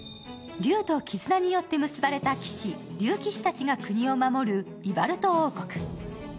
竜と絆によって結ばれた騎士、竜騎士たちが国を守るイヴァルト王国。